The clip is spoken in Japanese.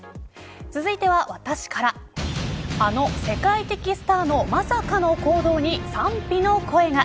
続いては私からあの世界的スターのまさかの行動に賛否の声が。